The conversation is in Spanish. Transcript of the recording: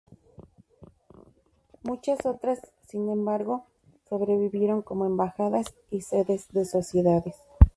Muchas otras, sin embargo, sobrevivieron como embajadas y sedes de sociedades.